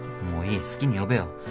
もういい好きに呼べよ。